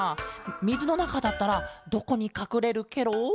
みずのなかだったらどこにかくれるケロ？